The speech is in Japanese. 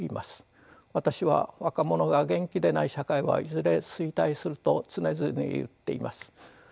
私は若者が元気でない社会はいずれ衰退すると常々言っています。